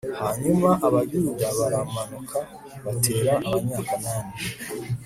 hanyuma abayuda baramanuka batera abanyakanani